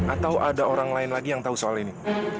atau ada orang lain lagi yang tahu soal ini